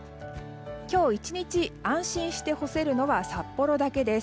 今日１日安心して干せるのは札幌だけです。